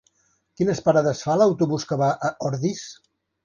Quines parades fa l'autobús que va a Ordis?